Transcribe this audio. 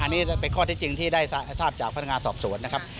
อันนี้เป็นข้อที่จริงที่ได้ทราบจากพนักงานสอบสวนนะครับ